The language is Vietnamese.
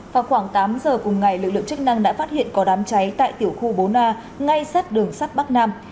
vào khoảng tám giờ cùng ngày lực lượng chức năng đã phát hiện có đám cháy tại tiểu khu bốn a ngay sát đường sắt bắc nam